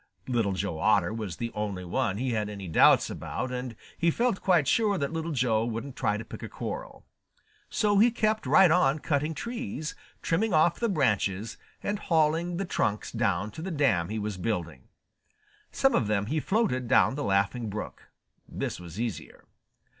Little Joe Otter was the only one he had any doubts about, and he felt quite sure that Little Joe wouldn't try to pick a quarrel. So he kept right on cutting trees, trimming off the branches, and hauling the trunks down to the dam he was building. Some of them he floated down the Laughing Brook. This was easier.